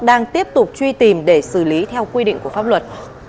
đang tiếp tục truy tìm để xử lý theo quy định của pháp luật